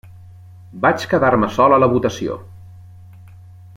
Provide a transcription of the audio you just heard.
Vaig quedar-me sol a la votació.